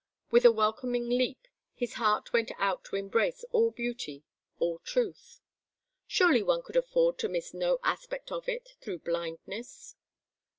With a welcoming leap his heart went out to embrace all beauty, all truth. Surely one could afford to miss no aspect of it through blindness.